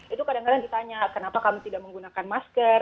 itu kadang kadang ditanya kenapa kami tidak menggunakan masker